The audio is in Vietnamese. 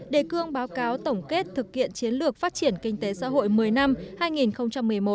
đề cương báo cáo tổng kết thực hiện chiến lược phát triển kinh tế xã hội một mươi năm hai nghìn một mươi một hai nghìn hai mươi